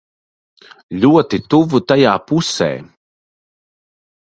Ļoti tuvu tajā pusē.